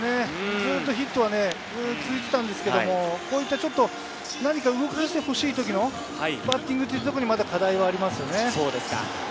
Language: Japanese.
ずっとヒットが続いていたんですけれど、何か動かしてほしい時のバッティングっていうところにまだ課題はありますね。